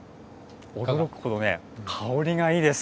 驚くほど香りがいいです。